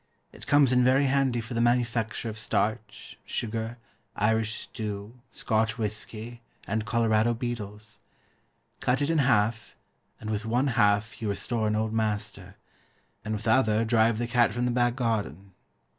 It comes in very handy for the manufacture of starch, sugar, Irish stew, Scotch whisky, and Colorado beetles. Cut it in half, and with one half you restore an old master, and with the other drive the cat from the back garden.